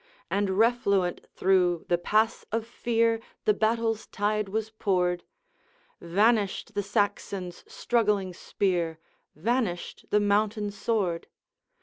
And refluent through the pass of fear The battle's tide was poured; Vanished the Saxon's struggling spear, Vanished the mountain sword.